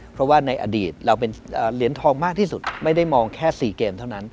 เพราะว่าในอดีตเราเป็นเหรียญทองมากที่สุดไม่ได้มองแค่๔เกมเท่านั้น